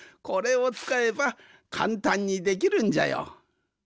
これをつかえばかんたんにできるんじゃよ。